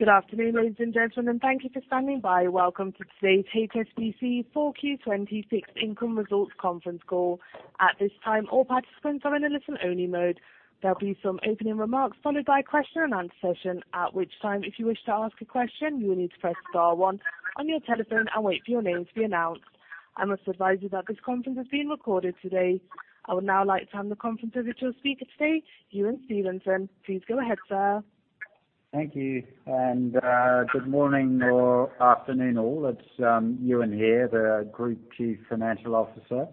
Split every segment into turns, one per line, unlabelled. Good afternoon, ladies and gentlemen. Thank you for standing by. Welcome to today's HSBC 4Q 2020 Income Results Conference Call. At this time, all participants are in only listen mode. There'll be some opening remarks followed by question and answer session. At this time, if you wish to ask a question, you will need press star one on your telephone and wait for your name to be announce. I like to advice you that this conference is being recorded today. I would now like to hand the conference over to your speaker today, Ewen Stevenson. Please go ahead, sir.
Thank you. Good morning or afternoon, all. It's Ewen here, the Group Chief Financial Officer.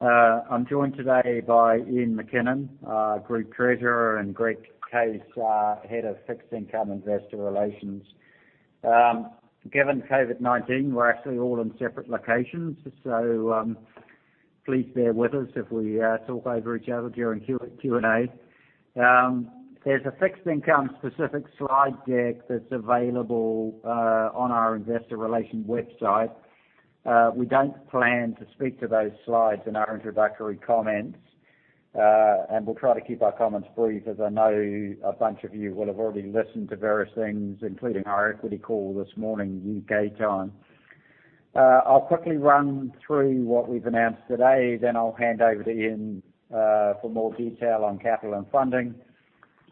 I'm joined today by Iain MacKinnon, Group Treasurer, and Greg Case, Head of Fixed Income Investor Relations. Given COVID-19, we're actually all in separate locations, so please bear with us if we talk over each other during Q&A. There's a fixed income-specific slide deck that's available on our investor relations website. We don't plan to speak to those slides in our introductory comments. We'll try to keep our comments brief, as I know a bunch of you will have already listened to various things, including our equity call this morning, U.K. time. I'll quickly run through what we've announced today, then I'll hand over to Iain for more detail on capital and funding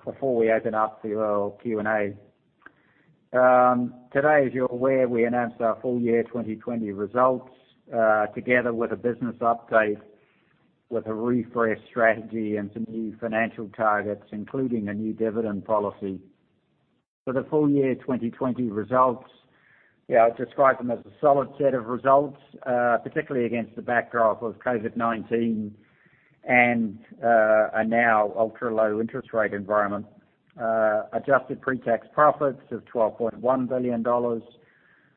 before we open up the floor for Q&A. Today, as you're aware, we announced our full year 2020 results, together with a business update with a refreshed strategy and some new financial targets, including a new dividend policy. For the full year 2020 results, I describe them as a solid set of results, particularly against the backdrop of COVID-19 and a now ultra-low interest rate environment. Adjusted pre-tax profits of $12.1 billion,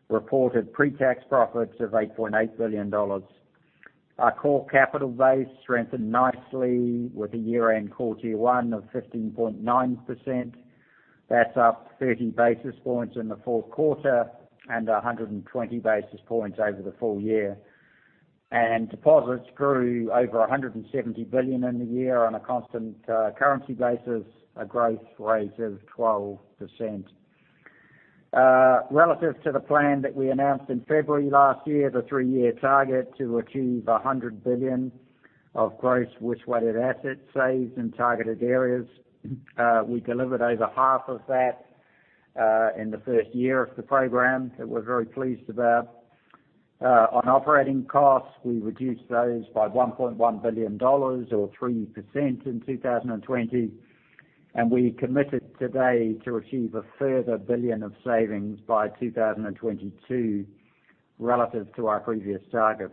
reported pre-tax profits of $8.8 billion. Our core capital base strengthened nicely with a year-end CET1 of 15.9%. That's up 30 basis points in the fourth quarter and 120 basis points over the full year. Deposits grew over $170 billion in the year on a constant currency basis, a growth rate of 12%. Relative to the plan that we announced in February last year, the three-year target to achieve $100 billion of gross risk-weighted assets saved in targeted areas, we delivered over half of that in the first year of the program, that we're very pleased about. On operating costs, we reduced those by $1.1 billion or 3% in 2020. We committed today to achieve a further $1 billion of savings by 2022 relative to our previous target.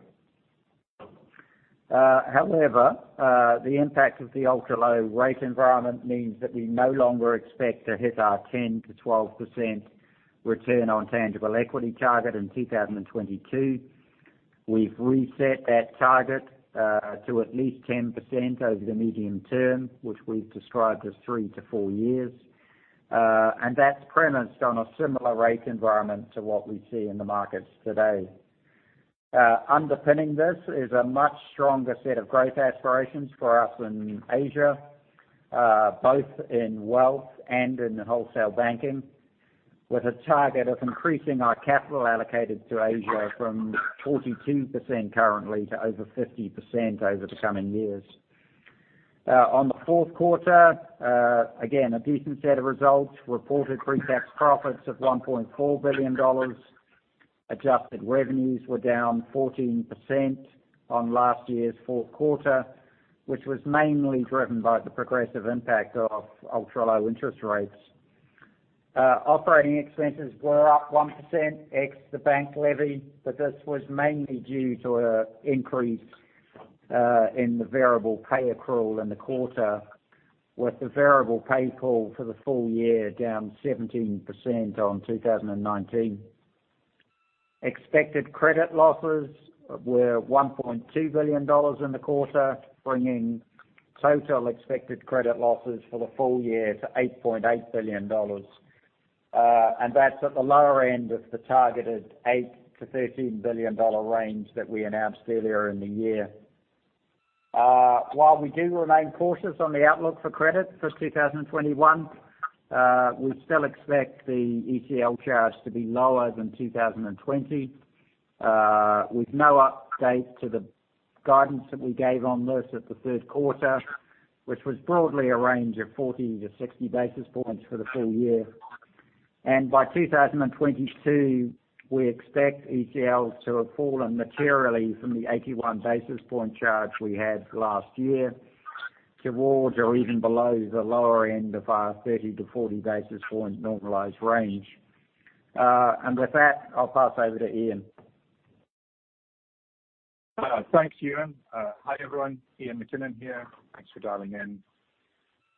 However, the impact of the ultra-low rate environment means that we no longer expect to hit our 10%-12% return on tangible equity target in 2022. We've reset that target to at least 10% over the medium term, which we've described as three to four years. That's premised on a similar rate environment to what we see in the markets today. Underpinning this is a much stronger set of growth aspirations for us in Asia, both in wealth and in wholesale banking, with a target of increasing our capital allocated to Asia from 42% currently to over 50% over the coming years. On the fourth quarter, again, a decent set of results. Reported pre-tax profits of $1.4 billion. Adjusted revenues were down 14% on last year's fourth quarter, which was mainly driven by the progressive impact of ultra-low interest rates. Operating expenses were up 1% ex the bank levy, this was mainly due to an increase in the variable pay accrual in the quarter, with the variable pay pool for the full year down 17% on 2019. Expected credit losses were $1.2 billion in the quarter, bringing total expected credit losses for the full year to $8.8 billion. That's at the lower end of the targeted $8 billion-$13 billion range that we announced earlier in the year. While we do remain cautious on the outlook for credit for 2021, we still expect the ECL charge to be lower than 2020, with no update to the guidance that we gave on this at the third quarter, which was broadly a range of 40-60 basis points for the full year. By 2022, we expect ECLs to have fallen materially from the 81 basis point charge we had last year towards or even below the lower end of our 30-40 basis point normalized range. With that, I'll pass over to Iain.
Thanks, Ewen. Hi, everyone. Iain MacKinnon here. Thanks for dialing in.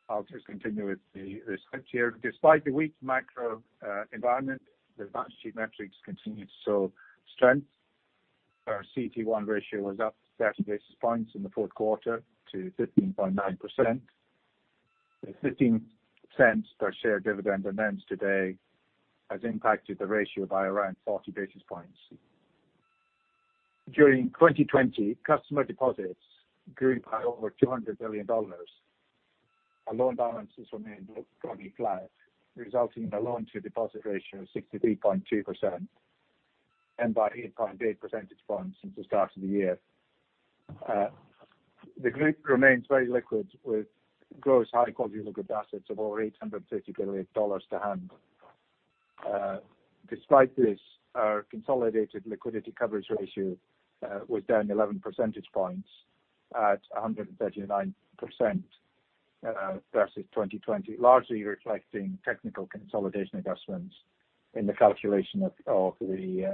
I'll just continue with the script here. Despite the weak macro environment, the balance sheet metrics continue to show strength. Our CET1 ratio was up 30 basis points in the fourth quarter to 15.9%. The $0.15 per share dividend announced today has impacted the ratio by around 40 basis points. During 2020, customer deposits grew by over $200 billion. Our loan balances remained broadly flat, resulting in a loan-to-deposit ratio of 63.2%, and by 8.8 percentage points since the start of the year. The group remains very liquid, with gross high-quality liquid assets of over $850 billion to hand. Despite this, our consolidated liquidity coverage ratio was down 11 percentage points at 139% versus 2020, largely reflecting technical consolidation adjustments in the calculation of the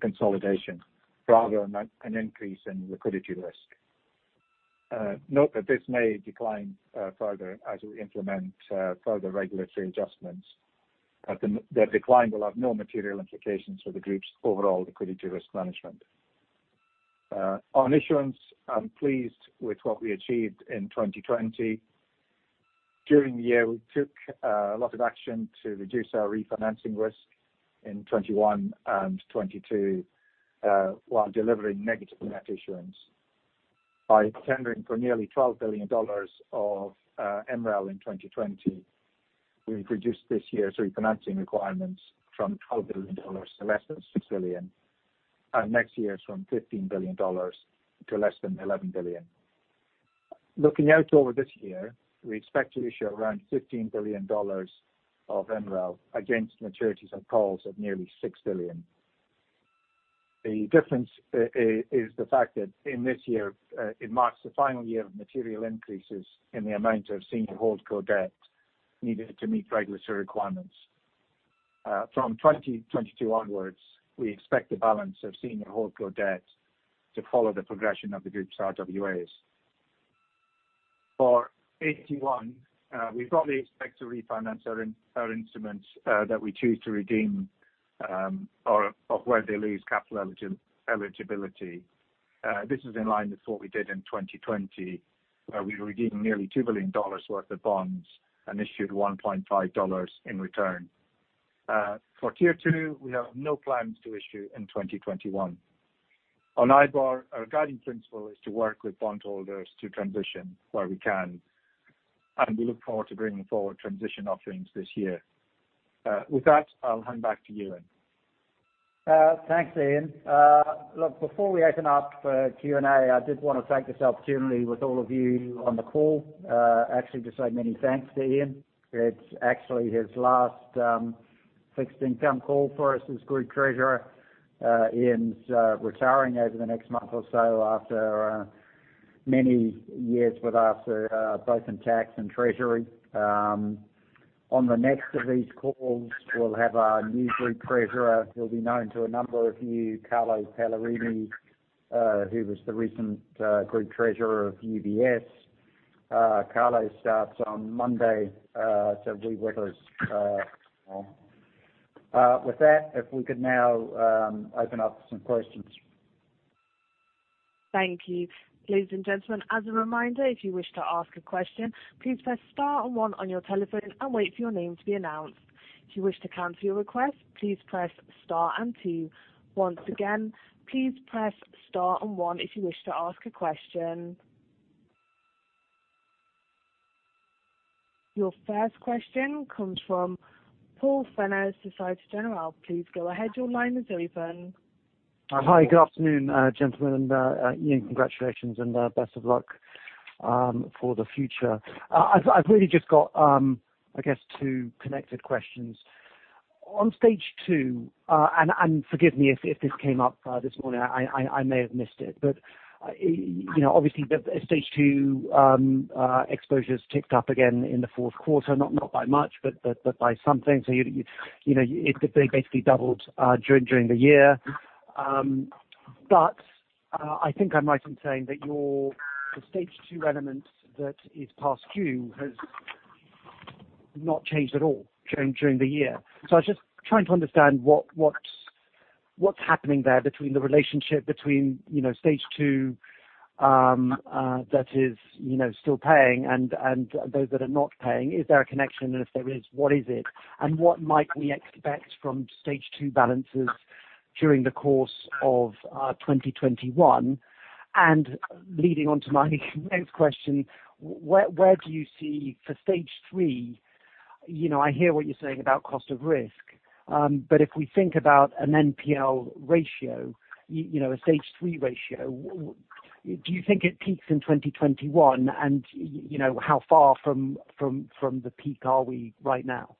consolidation rather than an increase in liquidity risk. Note that this may decline further as we implement further regulatory adjustments, but the decline will have no material implications for the group's overall liquidity risk management. On issuance, I'm pleased with what we achieved in 2020. During the year, we took a lot of action to reduce our refinancing risk in 2021 and 2022, while delivering negative net issuance. By tendering for nearly $12 billion of MREL in 2020, we've reduced this year's refinancing requirements from $12 billion to less than $6 billion, and next year's from $15 billion to less than $11 billion. Looking out over this year, we expect to issue around $15 billion of MREL against maturities and calls of nearly $6 billion. The difference is the fact that in this year, it marks the final year of material increases in the amount of Senior HoldCo debt needed to meet regulatory requirements. From 2022 onwards, we expect the balance of senior holdco debt to follow the progression of the group's RWAs. For AT1, we broadly expect to refinance our instruments that we choose to redeem or where they lose capital eligibility. This is in line with what we did in 2020, where we redeemed nearly $2 billion worth of bonds and issued $1.5 in return. For Tier 2, we have no plans to issue in 2021. On IBOR, our guiding principle is to work with bondholders to transition where we can. We look forward to bringing forward transition offerings this year. With that, I'll hand back to Ewen.
Thanks, Iain. Before we open up for Q&A, I did want to take this opportunity with all of you on the call actually to say many thanks to Iain. It's actually his last fixed income call for us as Group Treasurer. Iain's retiring over the next month or so after many years with us, both in tax and treasury. On the next of these calls, we'll have our new Group Treasurer, who'll be known to a number of you, Carlo Pellerani, who was the recent Group Treasurer of UBS. Carlo starts on Monday, so be with us. With that, if we could now open up for some questions.
Thank you. Ladies and gentlemen, as a reminder, if you wish to ask a question, please press star and one on your telephone and wait for your name to be announced. If you wish to cancel your request, please press star and two. Once again, please press star and one if you wish to ask a question. Your first question comes from Paul Fenner, Societe Generale. Please go ahead. Your line is open.
Hi. Good afternoon, gentlemen. Iain, congratulations, and best of luck for the future. I've really just got, I guess two connected questions. On Stage 2, and forgive me if this came up this morning, I may have missed it, but obviously the Stage 2 exposures ticked up again in the fourth quarter. Not by much, but by something. They basically doubled during the year. I think I'm right in saying that your Stage 2 element that is past due has not changed at all during the year. I was just trying to understand what's happening there between the relationship between Stage 2 that is still paying and those that are not paying. Is there a connection? If there is, what is it? What might we expect from Stage 2 balances during the course of 2021? Leading on to my next question, where do you see for Stage 3 I hear what you're saying about cost of risk, but if we think about an NPL ratio, a Stage 3 ratio, do you think it peaks in 2021? How far from the peak are we right now?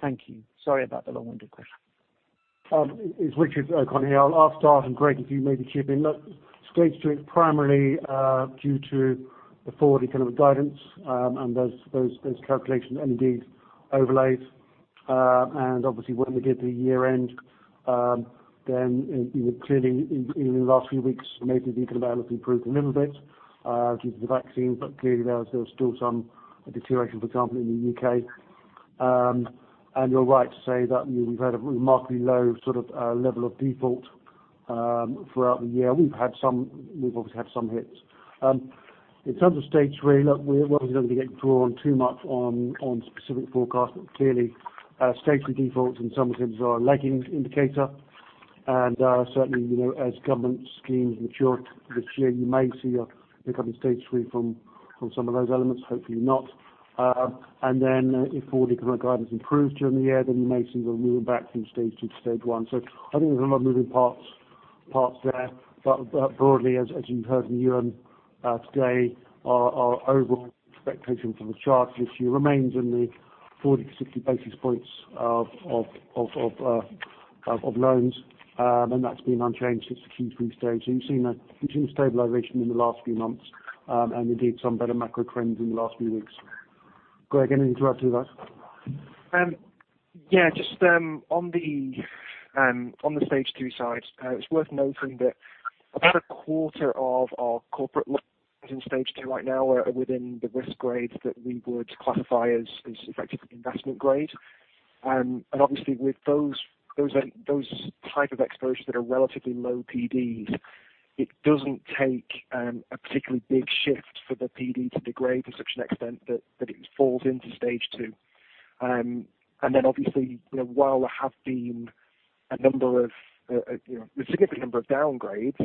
Thank you. Sorry about the long-winded question.
It's Richard O'Connor here. I'll start. Greg, if you may chip in. Look, Stage 2 is primarily due to the forward economic guidance, and those calculations, and indeed overlays. Obviously when we get to the year end, then clearly in the last few weeks, maybe the economic outlook improved a little bit due to the vaccines. Clearly there was still some deterioration, for example, in the U.K. You're right to say that we've had a remarkably low sort of level of default throughout the year. We've obviously had some hits. In terms of Stage 3, look, we're obviously not going to get drawn too much on specific forecasts. Clearly, Stage 3 defaults in some sense are a lagging indicator. Certainly, as government schemes mature this year, you may see a pickup in Stage 3 from some of those elements. Hopefully not. If forward economic guidance improves during the year, then you may see a move back from Stage 2 to Stage 1. I think there's a lot of moving parts there. Broadly, as you heard from Ewen today, our overall expectation for the charge this year remains in the 40-60 basis points of loans. That's been unchanged since Q3 Stage. You've seen a stabilization in the last few months, and indeed some better macro trends in the last few weeks. Greg, anything to add to that?
Yeah, just on the Stage 2 side, it's worth noting that about a quarter of our corporate loans in Stage 2 right now are within the risk grade that we would classify as effectively investment grade. Obviously with those type of exposures that are relatively low PDs, it doesn't take a particularly big shift for the PD to degrade to such an extent that it falls into Stage 2. Obviously, while there have been a significant number of downgrades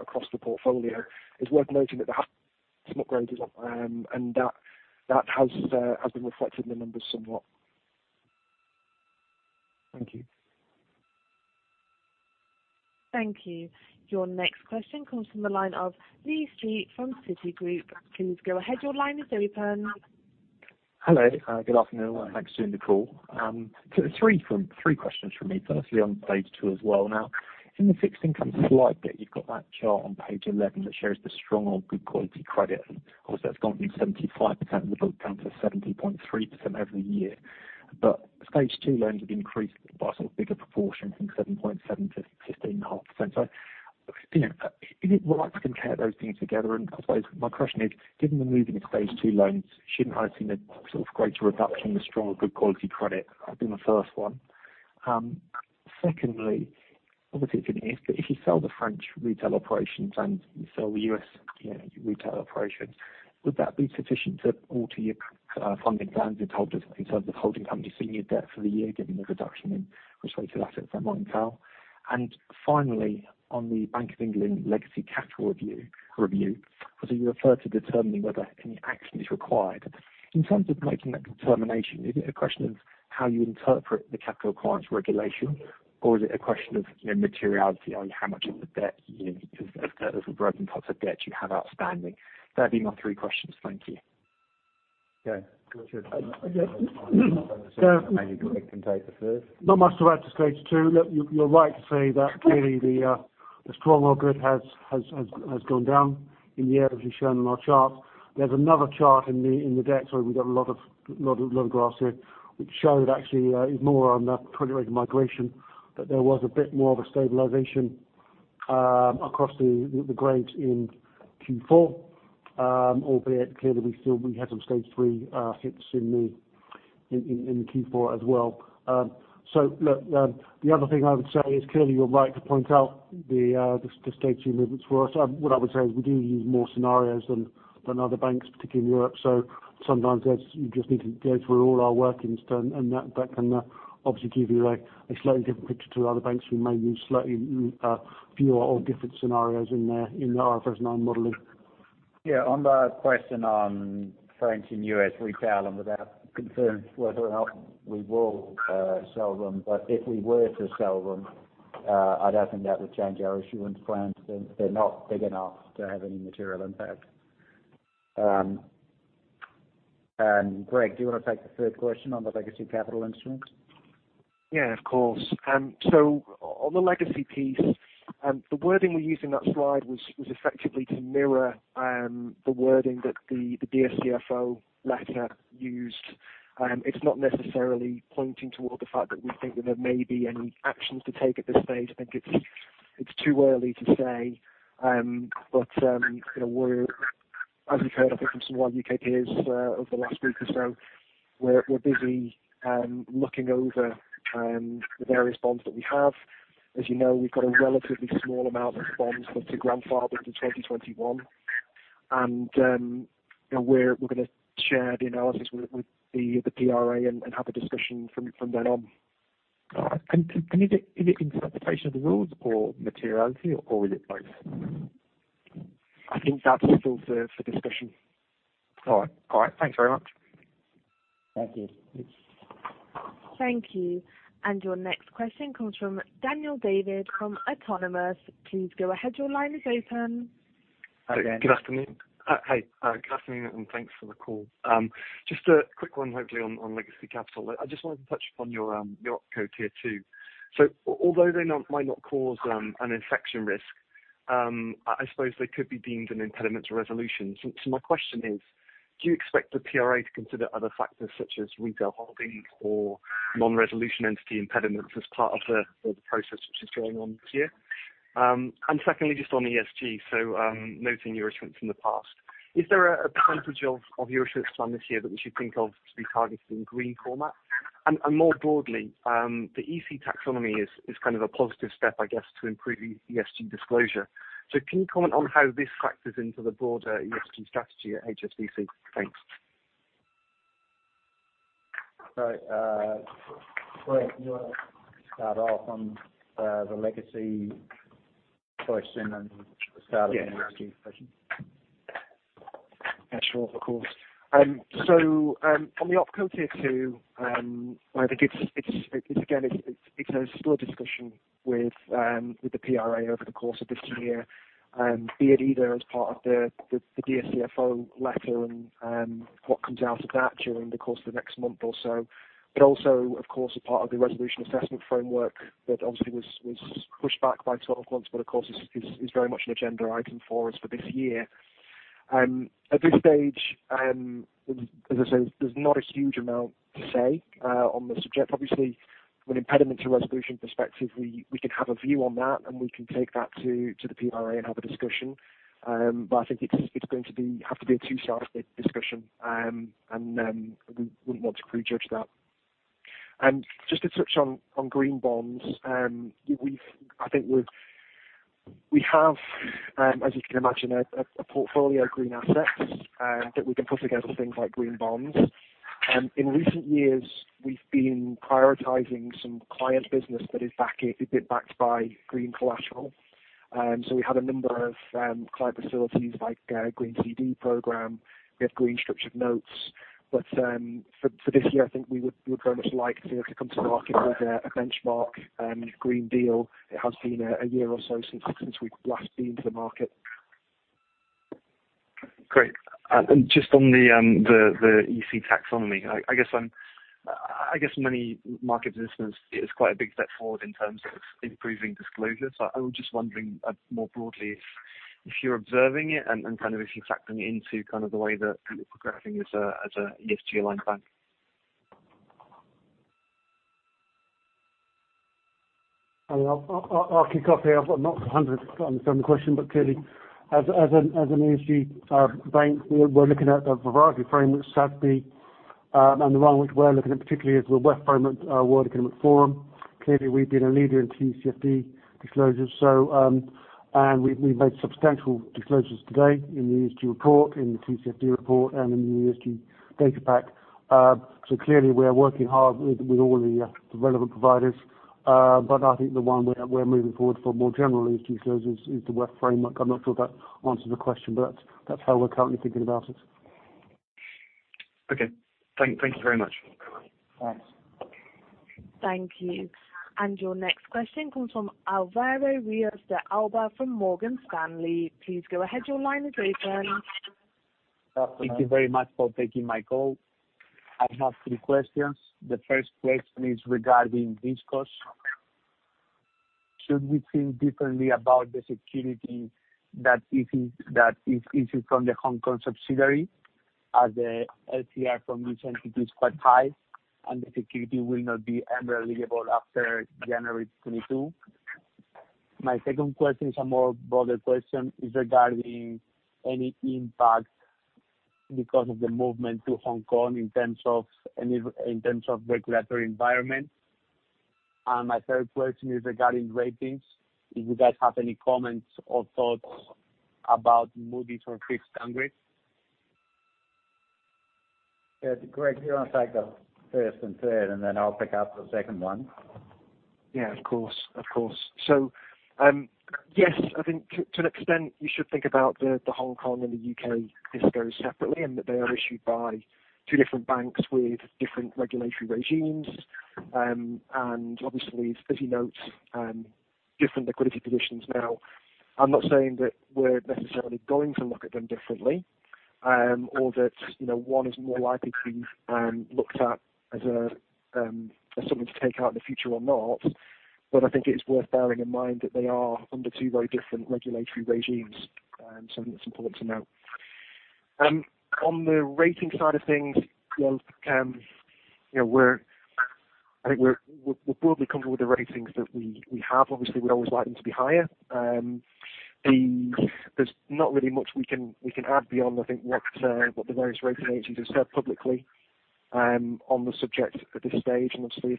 across the portfolio, it's worth noting that there have been some upgrades as well. That has been reflected in the numbers somewhat.
Thank you.
Thank you. Your next question comes from the line of Lee Street from Citigroup. Please go ahead. Your line is open.
Hello. Good afternoon. Thanks for doing the call. Three questions from me. Firstly, on Stage 2 as well now. In the fixed income slide deck, you've got that chart on page 11 that shows the strong or good quality credit. Obviously that's gone from 75% of the book down to 70.3% over the year. Stage 2 loans have increased by a sort of bigger proportion from 7.7% to 15.5%. I'd like to compare those things together, and I suppose my question is, given the movement of Stage 2 loans, shouldn't I have seen a sort of greater reduction in the strong or good quality credit? That'd be my first one. Obviously it's an if, but if you sell the French retail operations and you sell the U.S. retail operations, would that be sufficient to alter your funding plans in terms of holding company senior debt for the year, given the reduction in risk-weighted assets that might entail? Finally, on the Bank of England legacy capital review. Obviously you refer to determining whether any action is required. In terms of making that determination, is it a question of how you interpret the Capital Requirements Regulation, or is it a question of materiality on how much of the debt, as broken parts of debt you have outstanding? That'd be my three questions. Thank you.
Okay. Good.
Maybe Greg can take the first.
Not much to add to Stage 2. Look, you're right to say that clearly the strong or good has gone down in the year, as we've shown in our charts. There's another chart in the deck. Sorry, we've got a lot of graphs here, which showed actually is more on that credit rating migration, that there was a bit more of a stabilization across the grades in Q4. Albeit clearly we had some Stage 3 hits in Q4 as well. Look, the other thing I would say is clearly you're right to point out the Stage 2 movements for us. What I would say is we do use more scenarios than other banks, particularly in Europe. Sometimes you just need to go through all our workings, and that can obviously give you a slightly different picture to other banks who may use slightly fewer or different scenarios in their IFRS 9 modeling.
Yeah, on the question on French and U.S. retail, without confirming whether or not we will sell them. If we were to sell them, I don't think that would change our issuance plans. They're not big enough to have any material impact. Greg, do you want to take the third question on the legacy capital instrument? Yeah, of course. On the legacy piece, the wording we used in that slide was effectively to mirror the wording that the Dear CFO letter used. It's not necessarily pointing toward the fact that we think that there may be any actions to take at this Stage. I think it's too early to say. As we've heard, I think, from some of our U.K. peers over the last week or so, we're busy looking over the various bonds that we have. As you know, we've got a relatively small amount of bonds that are grandfathered to 2021. We're going to share the analysis with the PRA and have a discussion from then on.
All right. Is it interpretation of the rules or materiality, or is it both?
I think that's still for discussion.
All right. All right. Thanks very much.
Thank you.
Thank you. Your next question comes from Daniel David from Autonomous. Please go ahead, your line is open.
Hi, Daniel.
Good afternoon. Good afternoon, and thanks for the call. Just a quick one, hopefully on legacy capital. I just wanted to touch upon your OpCo Tier 2. Although they might not cause an infection risk, I suppose they could be deemed an impediment to resolution. My question is: Do you expect the PRA to consider other factors such as retail holdings or non-resolution entity impediments as part of the process, which is going on this year? Secondly, just on ESG. Noting your issuance from the past. Is there a % of your issuance plan this year that we should think of to be targeted in green format? More broadly, the EU Taxonomy is kind of a positive step, I guess, to improve ESG disclosure. Can you comment on how this factors into the broader ESG strategy at HSBC? Thanks.
Right. Greg, do you want to start off on the legacy question and the question?
Sure. Of course. On the OpCo Tier 2, I think it's still a discussion with the PRA over the course of this year, be it either as part of the Dear CFO letter and what comes out of that during the course of the next month or so. Also, of course, a part of the Resolvability Assessment Framework that obviously was pushed back by 12 months, of course is very much an agenda item for us for this year. At this Stage, as I say, there's not a huge amount to say on the subject. Obviously, from an impediment to resolution perspective, we can have a view on that, and we can take that to the PRA and have a discussion. I think it's going to have to be a two-sided discussion, and we wouldn't want to prejudge that. Just to touch on green bonds. We have, as you can imagine, a portfolio of green assets that we can put together things like green bonds. In recent years, we've been prioritizing some client business that is backed by green collateral. We have a number of client facilities like a green CD program. We have green structured notes. For this year, I think we would very much like to come to the market with a benchmark green deal. It has been a year or so since we've last been to the market.
Great. Just on the EU Taxonomy. I guess many market participants, it's quite a big step forward in terms of improving disclosure. I was just wondering, more broadly, if you're observing it and if you're factoring into the way that it's progressing as a ESG aligned bank.
I'll kick off here. I've not 100% understand the question, but clearly, as an ESG bank, we're looking at a variety of frameworks. Sadly, the one which we're looking at particularly is the WEF framework, World Economic Forum. Clearly, we've been a leader in TCFD disclosures. We've made substantial disclosures today in the ESG report, in the TCFD report, and in the ESG data pack. Clearly we are working hard with all the relevant providers. I think the one we're moving forward for more general ESG disclosures is the WEF framework. I'm not sure if that answers the question, but that's how we're currently thinking about it.
Okay. Thank you very much.
Thanks.
Thank you. Your next question comes from Alvaro Ruiz de Alda from Morgan Stanley. Please go ahead. Your line is open.
Thank you very much for taking my call. I have three questions. The first question is regarding Discos. Should we think differently about the security that is issued from the Hong Kong subsidiary as the LCR from this entity is quite high, and the security will not be ever liable after January 2022? My second question is a more broader question, is regarding any impact because of the movement to Hong Kong in terms of regulatory environment. My third question is regarding ratings. If you guys have any comments or thoughts about moving from fixed aggregate.
Yeah. Greg, do you want to take the first and third, and then I'll pick up the second one?
Yeah, of course. Yes, I think to an extent, you should think about the Hong Kong and the U.K. discos separately, and that they are issued by two different banks with different regulatory regimes. Obviously, as he notes, different liquidity positions now. I'm not saying that we're necessarily going to look at them differently. That one is more likely to be looked at as something to take out in the future or not. I think it's worth bearing in mind that they are under two very different regulatory regimes. Something that's important to note. On the rating side of things, I think we're broadly comfortable with the ratings that we have. Obviously, we'd always like them to be higher. There's not really much we can add beyond, I think, what the various rating agencies have said publicly on the subject at this Stage. Obviously,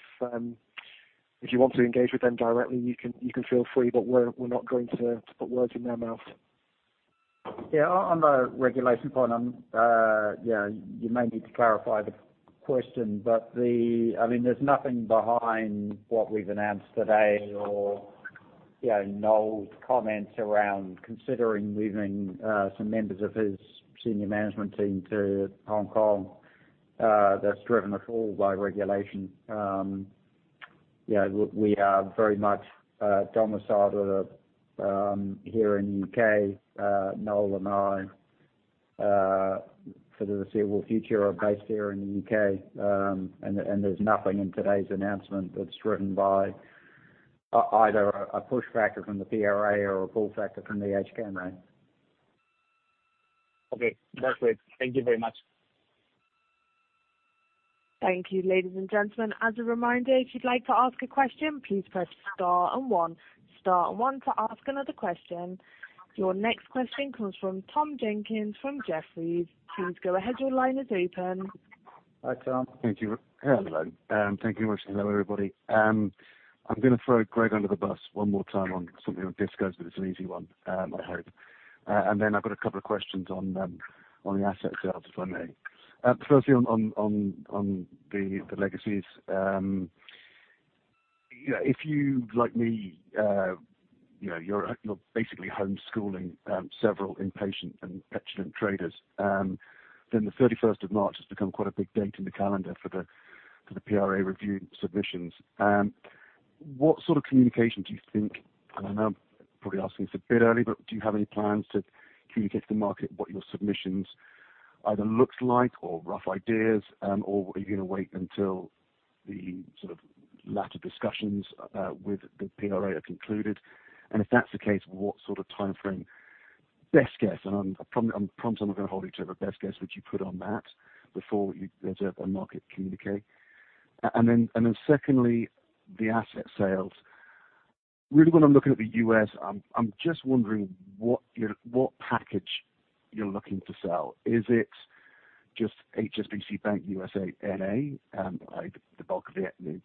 if you want to engage with them directly, you can feel free, but we're not going to put words in their mouth.
Yeah, on the regulation point, you may need to clarify the question, but there's nothing behind what we've announced today or Noel's comments around considering moving some members of his senior management team to Hong Kong that's driven at all by regulation. We are very much domiciled here in the U.K. Noel and I for the foreseeable future are based here in the U.K. There's nothing in today's announcement that's driven by either a push factor from the PRA or a pull factor from the HKMA.
Okay. That's it. Thank you very much.
Thank you, ladies and gentlemen. Your next question comes from Tom Jenkins from Jefferies.
Hi, Tom.
Thank you. Hello. Thank you very much. Hello, everybody. I'm going to throw Greg under the bus one more time on something on Discos, but it's an easy one, I hope. Then I've got a couple of questions on the asset sales, if I may. Firstly, on the legacies. If you, like me, you're basically homeschooling several impatient and petulant traders, then the 31st of March has become quite a big date in the calendar for the PRA review submissions. What sort of communication do you think, I know I'm probably asking this a bit early, do you have any plans to communicate to the market what your submissions either looks like or rough ideas, or are you going to wait until the latter discussions with the PRA are concluded? If that's the case, what sort of timeframe, best guess, and I promise I'm not going to hold you to it, but best guess would you put on that before you deserve a market communique? Secondly, the asset sales. Really when I'm looking at the U.S., I'm just wondering what package you're looking to sell. Is it just HSBC Bank USA N.A., the bulk of it, the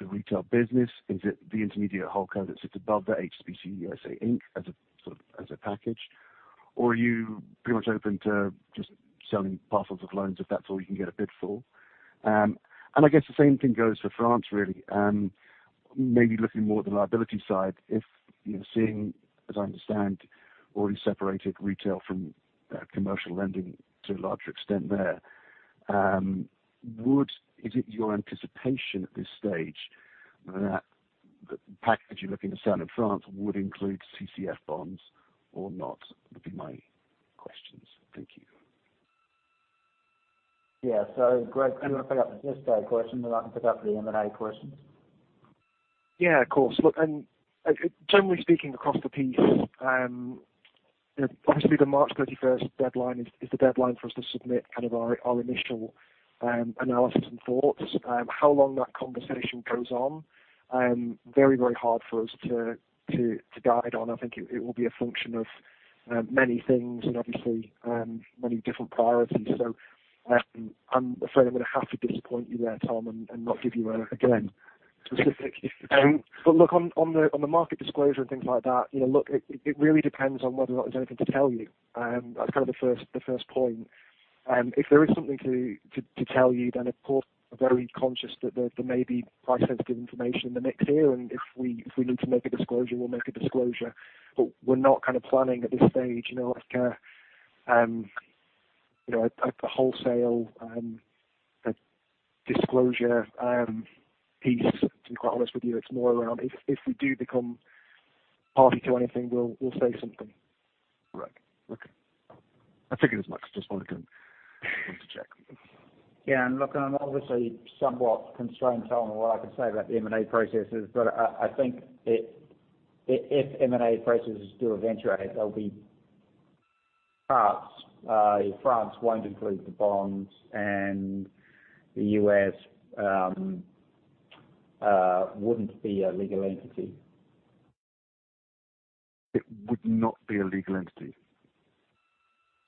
retail business? Is it the intermediate holdco that sits above the HSBC USA Inc. as a package? Or are you pretty much open to just selling parcels of loans if that's all you can get a bid for? I guess the same thing goes for France, really. Maybe looking more at the liability side, if seeing, as I understand, already separated retail from commercial lending to a larger extent there. Is it your anticipation at this Stage that the package you're looking to sell in France would include CCF bonds or not? Would be my questions. Thank you.
Yeah. Greg, do you want to pick up the FSA question, then I can pick up the M&A questions?
Yeah, of course. Look, and generally speaking, across the piece, obviously the March 31st deadline is the deadline for us to submit our initial analysis and thoughts. How long that conversation goes on, very hard for us to guide on. I think it will be a function of many things and obviously many different priorities. I'm afraid I'm going to have to disappoint you there, Tom, and not give you, again, specific. Look, on the market disclosure and things like that, look, it really depends on whether or not there's anything to tell you. That's the first point. If there is something to tell you, then of course, we're very conscious that there may be price-sensitive information in the mix here, and if we need to make a disclosure, we'll make a disclosure. We're not planning at this Stage, like a wholesale disclosure piece, to be quite honest with you. It's more around if we do become party to anything, we'll say something.
Right. Okay. I figured as much. Just wanted to check.
Look, I'm obviously somewhat constrained, Tom, on what I can say about the M&A processes. I think if M&A processes do eventuate, there'll be parts. France won't include the bonds, and the U.S. wouldn't be a legal entity.
It would not be a legal entity?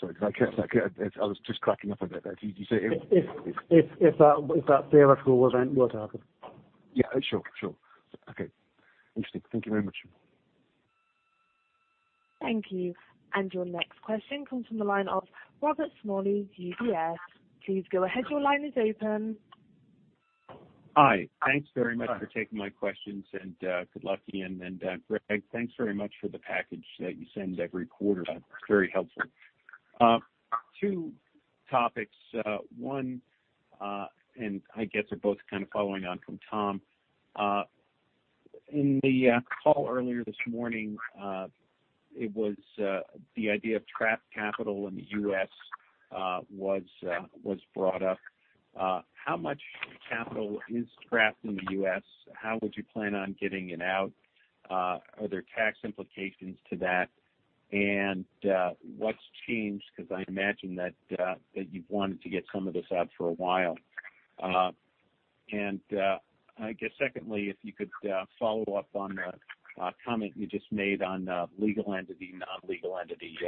Sorry, because I was just cracking up a bit there.
If that theoretical were to happen.
Yeah, sure. Okay, interesting. Thank you very much.
Thank you. Your next question comes from the line of Robert Smalley, UBS. Please go ahead. Your line is open.
Hi. Thanks very much for taking my questions, and good luck to you. Greg, thanks very much for the package that you send every quarter. Very helpful. Two topics. One, I guess they're both following on from Tom. In the call earlier this morning, the idea of trapped capital in the U.S. was brought up. How much capital is trapped in the U.S.? How would you plan on getting it out? Are there tax implications to that? What's changed? Because I imagine that you've wanted to get some of this out for a while. I guess secondly, if you could follow up on the comment you just made on legal entity, non-legal entity.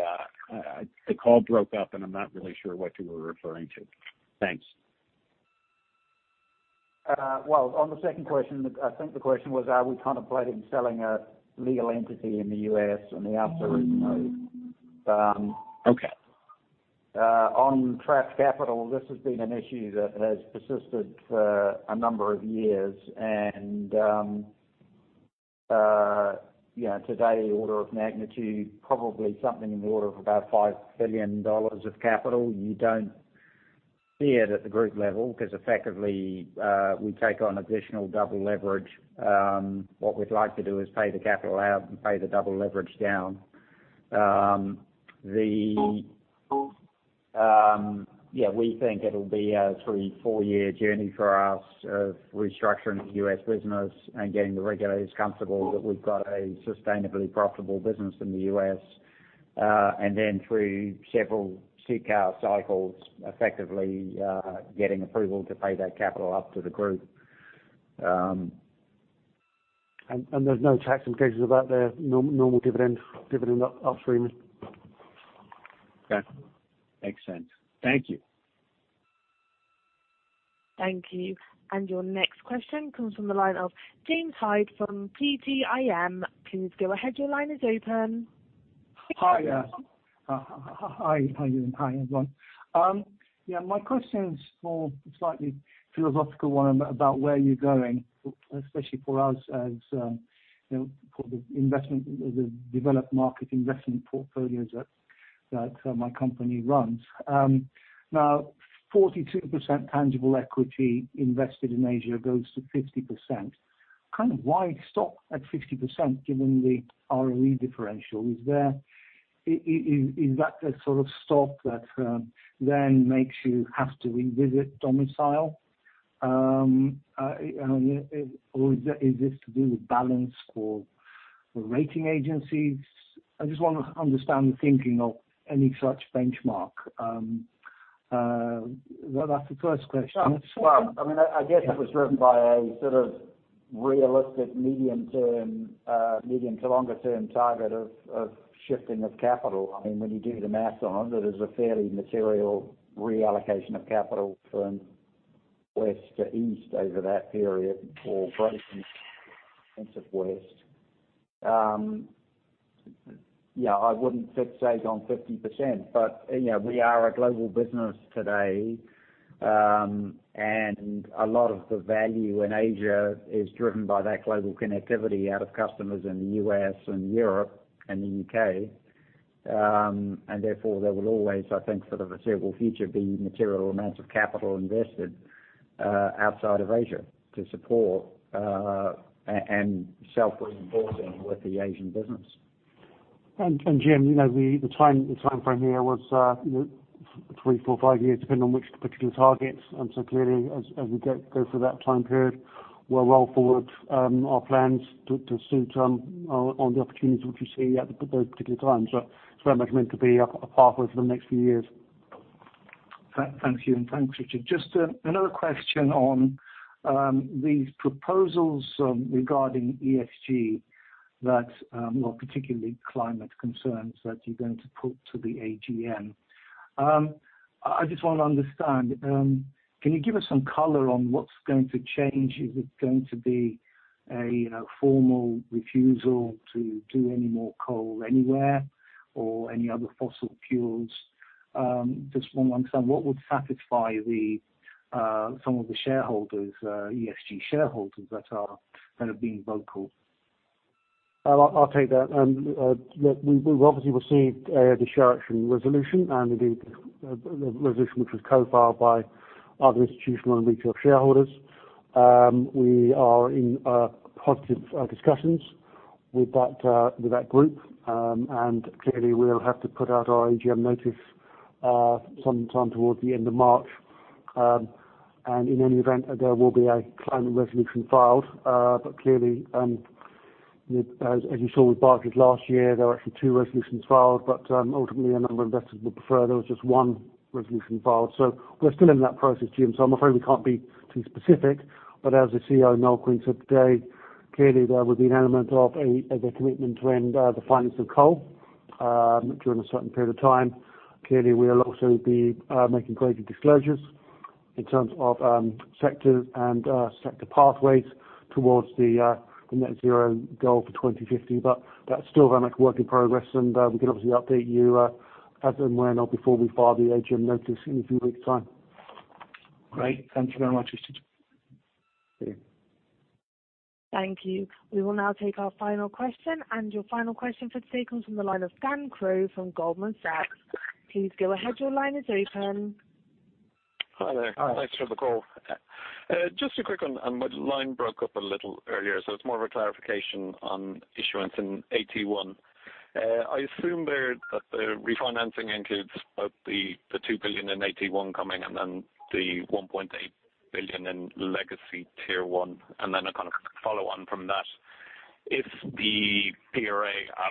The call broke up, and I'm not really sure what you were referring to. Thanks.
Well, on the second question, I think the question was, are we contemplating selling a legal entity in the U.S.? The answer is no.
Okay.
On trapped capital, this has been an issue that has persisted for a number of years. Today, order of magnitude, probably something in the order of about $5 billion of capital. You don't see it at the group level because effectively we take on additional double leverage. What we'd like to do is pay the capital out and pay the double leverage down. We think it'll be a three, four-year journey for us of restructuring the U.S. business and getting the regulators comfortable that we've got a sustainably profitable business in the U.S. Then through several CCAR cycles, effectively getting approval to pay that capital up to the group.
There's no tax implications about the normal dividend upstreaming.
Okay. Makes sense. Thank you.
Thank you. Your next question comes from the line of James Hyde from PGIM. Please go ahead. Your line is open.
Hi. Hi, everyone. Yeah, my question is more slightly philosophical one about where you're going, especially for us as for the developed market investment portfolios that my company runs. 42% tangible equity invested in Asia goes to 50%. Why stop at 50% given the ROE differential? Is that a sort of stop that then makes you have to revisit domicile? Is this to do with balance for the rating agencies? I just want to understand the thinking of any such benchmark. Well, that's the first question.
Well, I guess it was driven by a sort of realistic medium to longer term target of shifting of capital. When you do the math on it, there's a fairly material reallocation of capital from West to East over that period or West. Yeah, I wouldn't fixate on 50%, but we are a global business today, and a lot of the value in Asia is driven by that global connectivity out of customers in the U.S. and Europe and the U.K. Therefore, there will always, I think, for the foreseeable future, be material amounts of capital invested outside of Asia to support and self-reinforcing with the Asian business.
Jim, the time frame here was three, four, five years, depending on which particular targets. Clearly as we go through that time period, we'll roll forward our plans to suit on the opportunities which we see at those particular times. It's very much meant to be a pathway for the next few years.
Thank you, and thanks, Richard. Another question on these proposals regarding ESG that, well, particularly climate concerns that you're going to put to the AGM. I just want to understand. Can you give us some color on what's going to change? Is it going to be a formal refusal to do any more coal anywhere or any other fossil fuels? Want to understand what would satisfy some of the ESG shareholders that are being vocal.
I'll take that. Look, we've obviously received the ShareAction resolution and indeed the resolution which was co-filed by other institutional and retail shareholders. We are in positive discussions with that group. Clearly we'll have to put out our AGM notice sometime towards the end of March. In any event, there will be a climate resolution filed. Clearly, as you saw with Barclays last year, there were actually two resolutions filed. Ultimately, a number of investors would prefer there was just one resolution filed. We're still in that process, Jim. I'm afraid we can't be too specific. As the CEO, Noel Quinn, said today, clearly, there would be an element of a commitment to end the finance of coal during a certain period of time. Clearly, we'll also be making greater disclosures in terms of sectors and sector pathways towards the net zero goal for 2050. That's still very much a work in progress, and we can obviously update you as and when or before we file the AGM notice in a few weeks' time.
Great. Thanks very much, Richard.
See you.
Thank you. We will now take our final question. Your final question for today comes from the line of Dan Crowe from Goldman Sachs. Please go ahead. Your line is open.
Hi there.
Hi.
Thanks for the call. Just a quick one, my line broke up a little earlier, so it's more of a clarification on issuance in AT1. I assume there that the refinancing includes both the $2 billion in AT1 coming and then the $1.8 billion in legacy Tier 1. A kind of follow on from that. If the PRA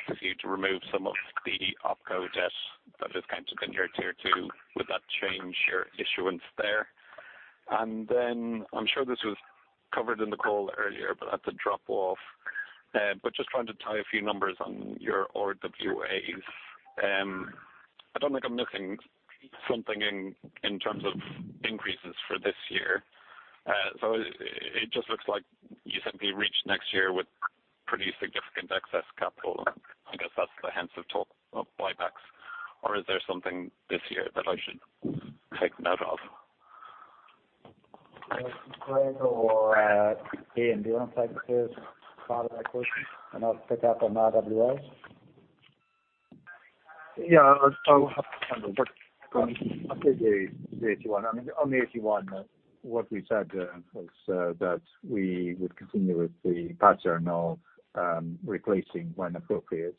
asks you to remove some of the OpCo debt that is counted in your Tier 2, would that change your issuance there? I'm sure this was covered in the call earlier, but I had to drop off. Just trying to tie a few numbers on your RWAs. I don't think I'm missing something in terms of increases for this year. It just looks like you simply reached next year with pretty significant excess capital. I guess that's the hence of talk of buybacks. Is there something this year that I should take note of?
Richard, do you want to take the first part of that question, and I'll pick up on RWAs?
Yeah. I'll take the AT1. On the AT1, what we said was that we would continue with the pattern of replacing when appropriate.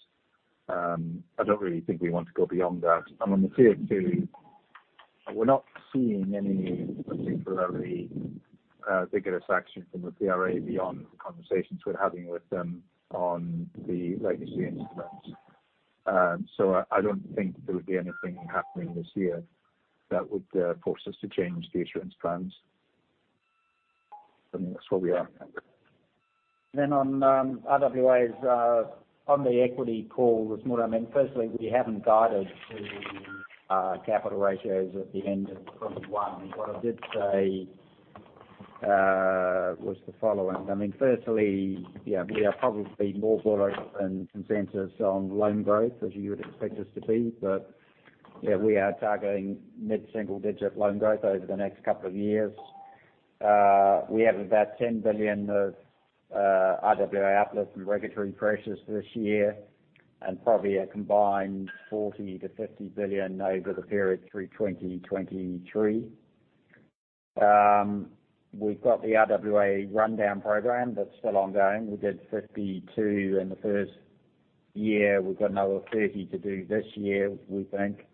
I don't really think we want to go beyond that. On the Tier 2, we're not seeing any particularly vigorous action from the PRA beyond the conversations we're having with them on the legacy instruments. I don't think there would be anything happening this year that would force us to change the assurance plans. I think that's where we are.
On RWA, on the equity call with Murat. Firstly, we haven't guided to the capital ratios at the end of one. What I did say was the following. Firstly, we are probably more broader than consensus on loan growth, as you would expect us to be. We are targeting mid-single-digit loan growth over the next couple of years. We have about $10 billion of RWA uplift from regulatory pressures this year, and probably a combined $40 billion-$50 billion over the period through 2023. We've got the RWA rundown program that's still ongoing. We did $52 billion in the first year. We've got another $30 billion to do this year, we think,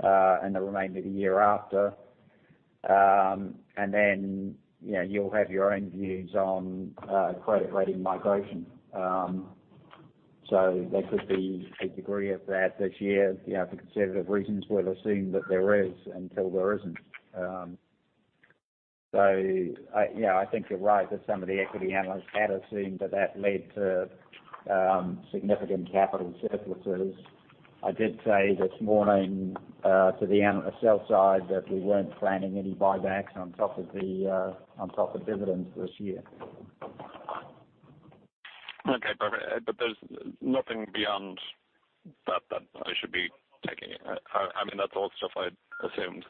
and the remainder the year after. You'll have your own views on credit rating migration. There could be a degree of that this year. For conservative reasons, we'll assume that there is until there isn't. I think you're right that some of the equity analysts had assumed that that led to significant capital surpluses. I did say this morning to the sell side that we weren't planning any buybacks on top of dividends this year.
Okay, perfect. There's nothing beyond that I should be taking? That's all stuff I'd assumed.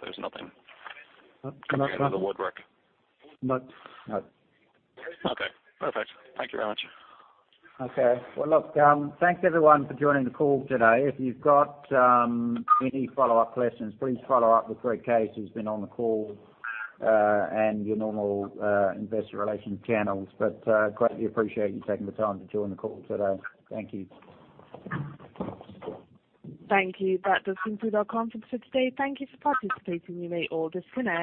No
Under the woodwork?
No.
Okay, perfect. Thank you very much.
Okay. Well, look, thanks everyone for joining the call today. If you've got any follow-up questions, please follow up with Greg Case, who's been on the call, and your normal investor relations channels. Greatly appreciate you taking the time to join the call today. Thank you.
Thank you. That does conclude our conference for today. Thank you for participating. You may all disconnect.